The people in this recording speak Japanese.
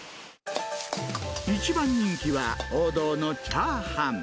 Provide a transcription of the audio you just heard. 一番人気は、王道のチャーハン。